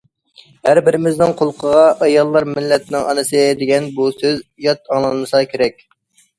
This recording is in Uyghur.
ھەر بىرىمىزنىڭ قۇلىقىغا« ئاياللار مىللەتنىڭ ئانىسى» دېگەن بۇ سۆز يات ئاڭلانمىسا كېرەك.